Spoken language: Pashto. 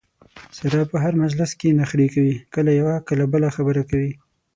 ساره په هر مجلس کې نخرې کوي کله یوه کله بله خبره کوي.